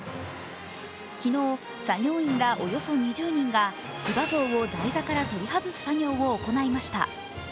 昨日、作業員らおよそ２０人が騎馬像を台座から取り外す作業を行いました。